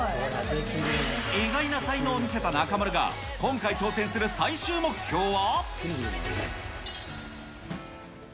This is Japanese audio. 意外な才能を見せた中丸が、今回挑戦する最終目標は。